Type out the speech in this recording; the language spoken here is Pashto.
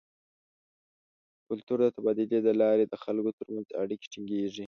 د کلتور د تبادلې له لارې د خلکو تر منځ اړیکې ټینګیږي.